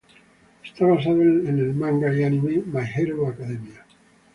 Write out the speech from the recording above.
Está basado en el manga y anime "My Hero Academia".